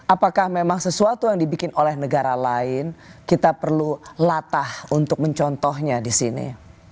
apakah memang sesuatu yang dibikin oleh negara lain kita perlu latah untuk mencontohnya di sini